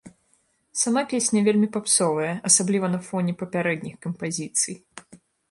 Сама песня вельмі папсовая, асабліва на фоне папярэдніх кампазіцый.